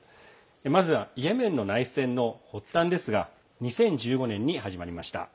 まずイエメンの内戦の発端ですが２０１５年に始まりました。